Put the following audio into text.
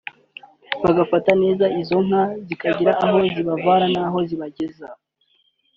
bagafata neza izo nka zikagira aho zibavana n’aho zibageza